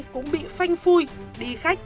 cũng bị phanh phui đi khách